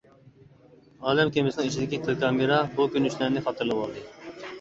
ئالەم كېمىسىنىڭ ئىچىدىكى تېلېكامېرا بۇ كۆرۈنۈشلەرنى خاتىرىلىۋالدى.